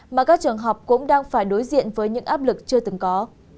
mà các trường học cũng đang phải đối diện với những áp lực chưa từng có